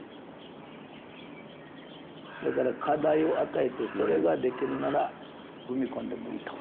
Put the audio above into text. だから課題を与えてそれができるなら踏み込んでもいいと。